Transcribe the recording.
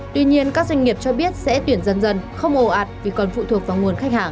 tuy nhiên các doanh nghiệp cho biết sẽ tuyển dần dần không ồ ạt vì còn phụ thuộc vào nguồn khách hàng